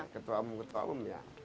ketua umum ketua umum